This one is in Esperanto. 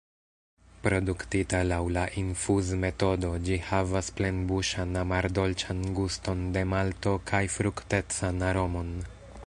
Produktita laŭ la infuzmetodo, ĝi havas plenbuŝan, amardolĉan guston de malto kaj fruktecan aromon.